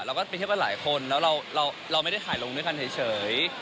เราก็ไปเที่ยวกันหลายคนแล้วเราไม่ได้ถ่ายลงด้วยกันเฉย